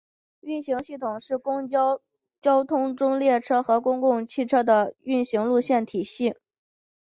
运行系统是公共交通中列车和公共汽车的运行路线的体系。